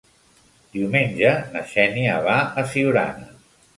Diumenge na Xènia va a Siurana.